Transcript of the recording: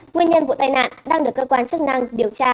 nguyên nhân vụ tai nạn đang được cơ quan chức năng điều tra làm rõ